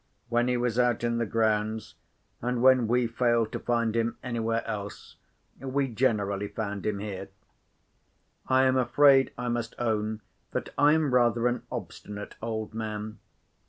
When he was out in the grounds, and when we failed to find him anywhere else, we generally found him here. I am afraid I must own that I am rather an obstinate old man.